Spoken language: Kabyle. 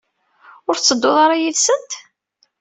Ur tettedduḍ ara yid-sent?